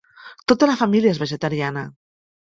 Tota la família és vegetariana.